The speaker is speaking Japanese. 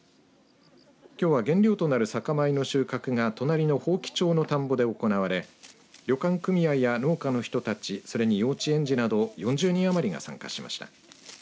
きょうは原料となる酒米の収穫が隣の伯耆町の田んぼで行われ旅館組合や農家の人たち、それに幼稚園児など４０人余りが参加しました。